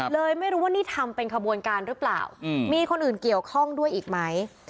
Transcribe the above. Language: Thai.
เลยไม่รู้ว่านี่ทำเป็นขบวนการหรือเปล่ามีคนอื่นเกี่ยวข้องด้วยอีกไหม